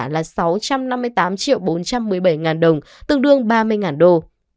là sáu trăm năm mươi tám bốn trăm một mươi bảy đồng tương đương ba mươi đô